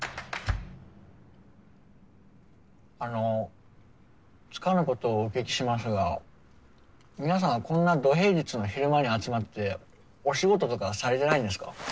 あのつかぬことをお聞きしますが皆さんはこんなど平日の昼間に集まってお仕事とかされてないんですか？